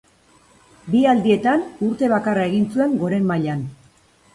Bi aldietan urte bakarra egin zuen goren mailan.